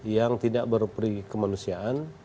yang tidak berperi kemanusiaan